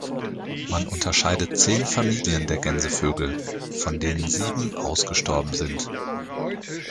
Man unterscheidet zehn Familien der Gänsevögel, von denen sieben ausgestorben sind.